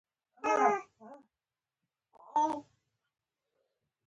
زده کړه نجونو ته د مبارزې روحیه ورکوي.